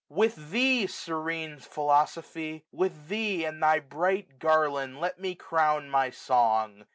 With thee, serene Philosophy, with thee,' And thy bright garland, let me etown my song